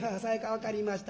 分かりました。